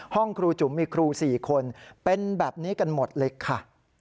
ห้องครูจุ๋มมีครู๔คนเป็นแบบนี้กันหมดเลยค่ะ